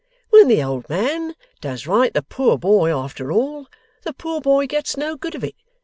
When the old man does right the poor boy after all, the poor boy gets no good of it.